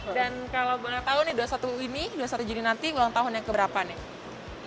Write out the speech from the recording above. dan kalau ulang tahunnya dua puluh satu juni ini dua puluh satu juni nanti ulang tahunnya keberapa nih